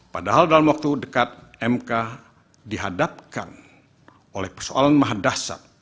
padahal dalam waktu dekat mk dihadapkan oleh persoalan maha dasar